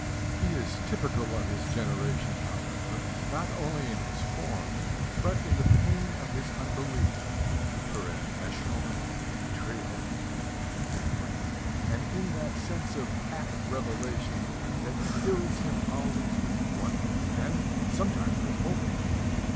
He is typical of his generation, however, not only in his form, but in the pain of his unbelief (as shown in Betrayal), and in that sense of half revelation that fills him always with wonder and sometimes with hope.